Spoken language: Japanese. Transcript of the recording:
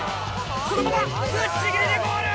そのままぶっちぎりでゴール！